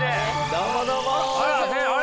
どうもどうも。